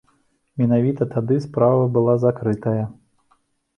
Менавіта тады справа была закрытая.